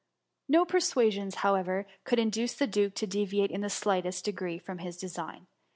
No persuasions, however, could induce the duke to deviate in the slightest degree from his design.